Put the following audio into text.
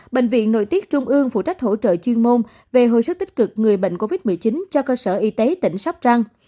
bệnh viện nội tiết trung ương phụ trách hỗ trợ chuyên môn về hồi sức tích cực người bệnh covid một mươi chín cho cơ sở y tế tỉnh sóc trăng